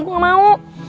gue gak mau